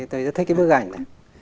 tôi rất thích cái bức ảnh này